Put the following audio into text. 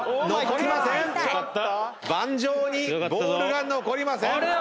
盤上にボールが残りません。